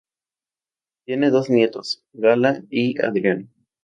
Tiene dos nietos: Gala y Adrián.